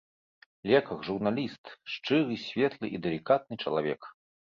Лекар, журналіст, шчыры, светлы і далікатны чалавек.